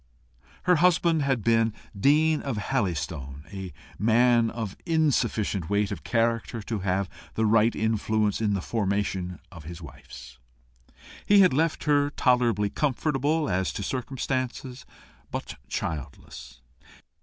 Her husband had been dean of Halystone, a man of insufficient weight of character to have the right influence in the formation of his wife's. He had left her tolerably comfortable as to circumstances, but childless.